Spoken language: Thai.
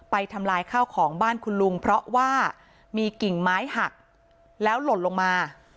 ทำลายข้าวของบ้านคุณลุงเพราะว่ามีกิ่งไม้หักแล้วหล่นลงมา